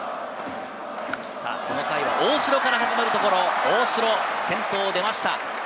この回は大城から始まるところ、大城、先頭でました。